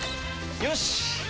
よし！